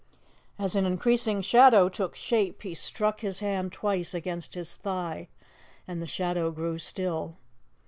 As an increasing shadow took shape, he struck his hand twice against his thigh, and the shadow grew still.